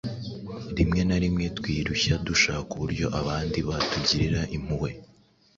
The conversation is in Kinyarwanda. Rimwe na rimwe twirushya dushaka uburyo abandi batugirira impuhwe.